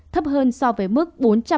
thấp hơn so với mức